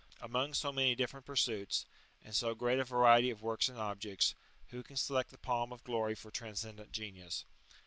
Among so many different pursuits, and so great a variety of works and objects, who can select the palm of glory for tran scendent genius